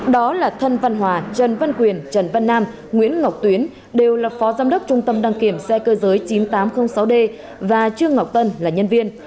đó là thân văn hòa trần văn quyền trần văn nam nguyễn ngọc tuyến đều là phó giám đốc trung tâm đăng kiểm xe cơ giới chín nghìn tám trăm linh sáu d và trương ngọc tân là nhân viên